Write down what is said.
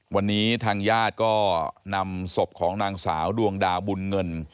วันนี้ทางญาติก็นำศพของนางสาวดวงดาวบุญเงิน